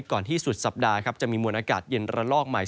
ที่สุดสัปดาห์ครับจะมีมวลอากาศเย็นระลอกใหม่